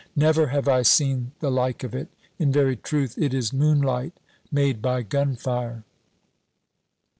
Never have I seen the like of it; in very truth it is moonlight made by gunfire.